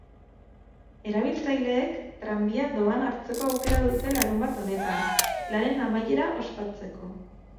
Erabiltzaileek tranbia doan hartzeko aukera dute larunbat honetan, lanen amaiera ospatzeko.